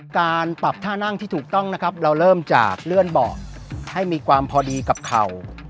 การปรับท่านั่งที่ถูกต้องนะครับเราเริ่มจากเลื่อนเบาะให้มีความพอดีกับเข่า